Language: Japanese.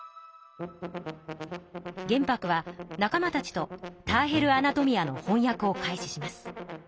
玄白は仲間たちと「ターヘル・アナトミア」のほんやくを開始します。